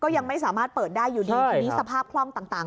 ยังไม่สามารถเปิดได้อยู่ดีทีนี้สภาพคล่องต่าง